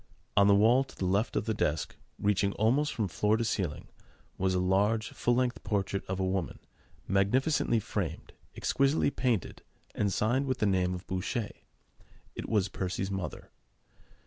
On the wall to the left of the desk, reaching almost from floor to ceiling, was a large full length portrait of a woman, magnificently framed, exquisitely painted, and signed with the name of Boucher. It was Percy's mother.